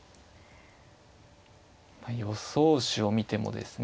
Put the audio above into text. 予想手を見てもですね